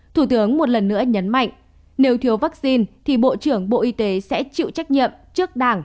thủ tướng một lần nữa nhấn mạnh nếu thiếu vaccine thì bộ trưởng bộ y tế sẽ chịu trách nhiệm trước đảng